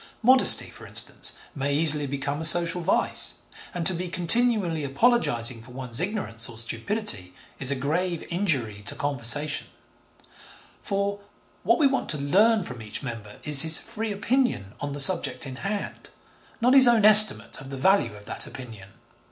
Modesty, for instance, may easily become a social vice, and to be continually apologising for one's ignorance or stupidity is a grave injury to conversation, for, 'what we want to learn from each member is his free opinion on the subject in hand, not his own estimate of the value of that opinion.'